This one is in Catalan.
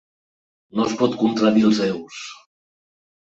No es pot contradir els déus.